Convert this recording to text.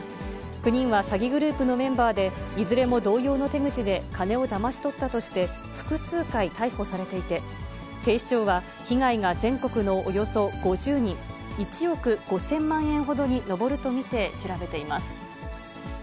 ９人は詐欺グループのメンバーで、いずれも同様の手口で金をだまし取ったとして、複数回、逮捕されていて、警視庁は、被害が全国のおよそ５０人、１億５０００万円ほどに上ると見て、調べています。